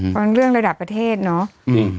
เพราะฉะนั้นเรื่องระดับประเทศเนาะ